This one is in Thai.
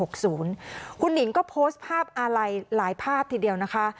คุณหนิงก็โพสต์ภาพอาลัยหลายภาพทีเดียวนะคะ